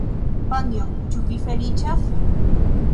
Panjo, ĉu vi feliĉas?